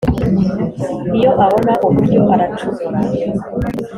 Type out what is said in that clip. iyo abona uburyo aracumura.